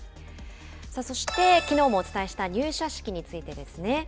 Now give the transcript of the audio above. そして、きのうもお伝えした入社式についてですね。